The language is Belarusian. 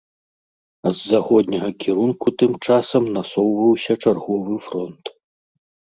А з заходняга кірунку тым часам насоўваўся чарговы фронт.